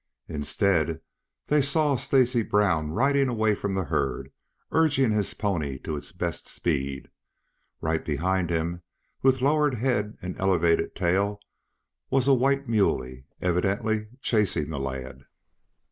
Instead, they saw Stacy Brown riding away from the herd, urging his pony to its best speed. Right behind him, with lowered head and elevated tail was a white muley, evidently chasing the lad.